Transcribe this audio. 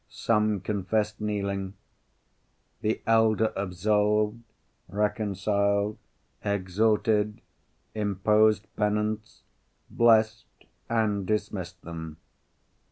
Some confessed kneeling. The elder absolved, reconciled, exhorted, imposed penance, blessed, and dismissed them.